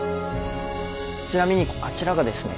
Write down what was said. ちなみにあちらがですね